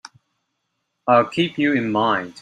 I'll keep you in mind.